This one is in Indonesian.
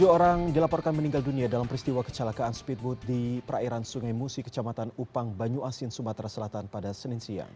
tujuh orang dilaporkan meninggal dunia dalam peristiwa kecelakaan speedboat di perairan sungai musi kecamatan upang banyu asin sumatera selatan pada senin siang